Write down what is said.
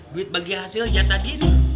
duit bagian hasilnya tadi nih